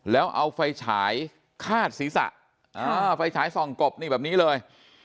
แล้วเอาไฟฉายคาดศีรษะไฟฉายส่องกบนี่แบบนี้เลย